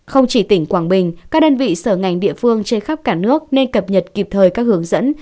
không chỉ tỉnh quảng bình các đơn vị sở ngành địa phương trên khắp cả nước nên cập nhật kịp thời các hướng dẫn